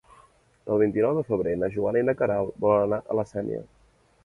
El vint-i-nou de febrer na Joana i na Queralt volen anar a la Sénia.